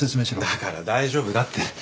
だから大丈夫だって。